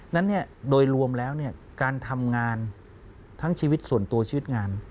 นั้นโดยรวมแล้วการทำงานทั้งชีวิตส่วนตัวชีวิตงาน